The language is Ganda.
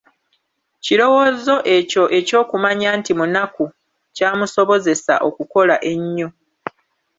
kirowoozo ekyo eky'okumanya nti munaku kyamusobozesa okukola ennyo.